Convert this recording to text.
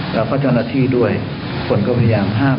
แล้วก็เจ้าหน้าที่ด้วยคนก็พยายามห้าม